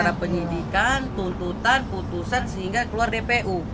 antara penyelidikan tuntutan putusan sehingga keluar dpu